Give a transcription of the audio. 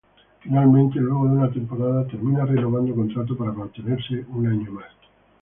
Finalmente, luego de una temporada, termina renovando contrato para mantenerse por un año más.